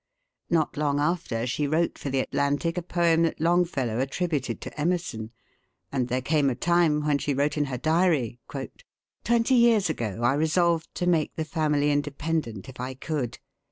'" Not long after she wrote for the "Atlantic" a poem that Longfellow attributed to Emerson. And there came a time when she wrote in her diary: "Twenty years ago I resolved to make the family independent if I could.